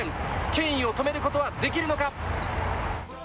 ケインを止めることはできるのか。